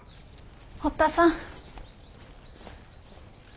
堀田さん。